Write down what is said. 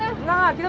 oke lagu berikutnya